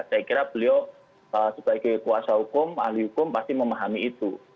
saya kira beliau sebagai kuasa hukum ahli hukum pasti memahami itu